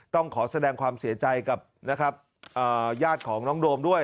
ต้องขอแสดงความเสียใจกับนะครับญาติของน้องโดมด้วย